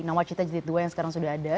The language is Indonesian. nah wacita jadid ii yang sekarang sudah ada